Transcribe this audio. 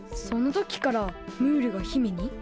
そのときからムールが姫に？